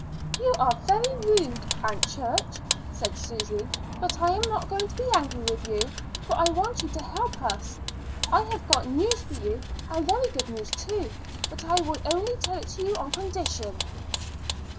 "You are very rude, Aunt Church," said Susy; "but I am not going to be angry with you, for I want you to help us. I have got news for you, and very good news, too. But I will only tell it to you on condition."